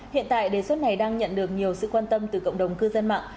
hiện tại đề xuất này đang nhận được nhiều sự quan tâm từ cộng đồng cư dân mạng